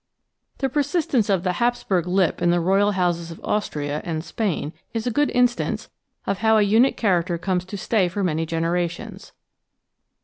The persistence of the Haps biurg lip in the Royal Houses of Austria and Spain is a good instance of how a unit character comes to stay for many genera tions.